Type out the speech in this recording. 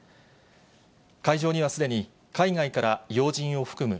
会場にはすでに、海外から要人を含む